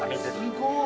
・すごい！